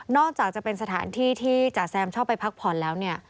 อกจากจะเป็นสถานที่ที่จ๋าแซมชอบไปพักผ่อนแล้วเนี่ย